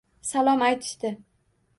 Salom aytishdi...